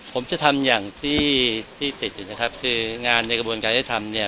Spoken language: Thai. ผมจะทำอย่างที่ที่ติดอยู่นะครับคืองานในกระบวนการยุติธรรมเนี่ย